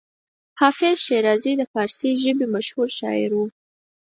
حافظ شیرازي د فارسي ژبې مشهور شاعر و.